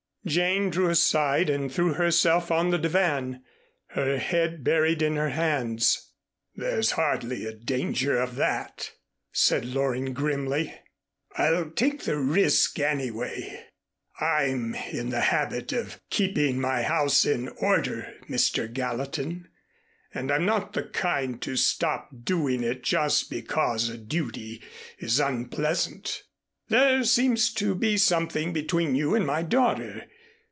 Jane drew aside and threw herself on the divan, her head buried in her hands. "There's hardly a danger of that," said Loring grimly. "I'll take the risk anyway. I'm in the habit of keeping my house in order, Mr. Gallatin, and I'm not the kind to stop doing it just because a duty is unpleasant. There seems to be something between you and my daughter.